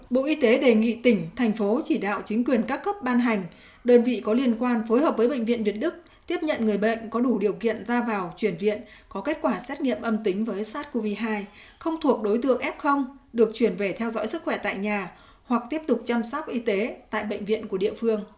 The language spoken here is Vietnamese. bộ y tế đề nghị tỉnh thành phố chỉ đạo chính quyền các cấp ban hành đơn vị có liên quan phối hợp với bệnh viện việt đức tiếp nhận người bệnh có đủ điều kiện ra vào chuyển viện có kết quả xét nghiệm âm tính với sars cov hai không thuộc đối tượng f được chuyển về theo dõi sức khỏe tại nhà hoặc tiếp tục chăm sóc y tế tại bệnh viện của địa phương